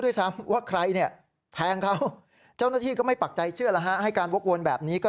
ซ้ำว่าใครเนี่ยแทงเขาเจ้าหน้าที่ก็ไม่ปักใจเชื่อแล้วฮะให้การวกวนแบบนี้ก็